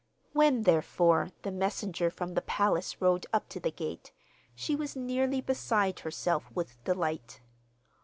When, therefore, the messenger from the palace rode up to the gate, she was nearly beside herself with delight.